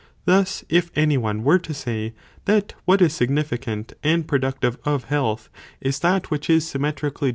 Thus, if any one were to say, that what is significant and productive of health, is that which is symmetrically.